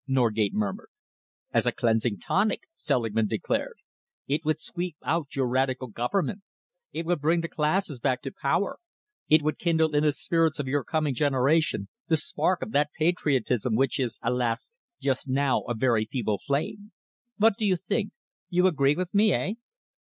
Norgate murmured. "As a cleansing tonic," Selingman declared. "It would sweep out your Radical Government. It would bring the classes back to power. It would kindle in the spirits of your coming generation the spark of that patriotism which is, alas! just now a very feeble flame. What do you think? You agree with me, eh?"